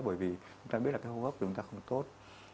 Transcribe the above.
bởi vì chúng ta biết là cái hô hấp của chúng ta không tốt